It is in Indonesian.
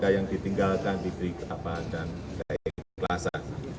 semoga yang ditinggalkan diberi keabahan dan keikhlasan